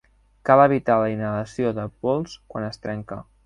Cal evitar la inhalació de pols quan es trenca.